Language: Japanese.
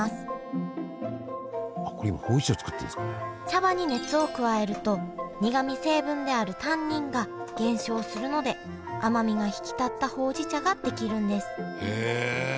茶葉に熱を加えると苦み成分であるタンニンが減少するので甘みが引き立ったほうじ茶が出来るんですへえ。